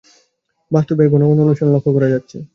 বাস্তবে এর ঘন ঘন অনুশীলন লক্ষ করা যাচ্ছে।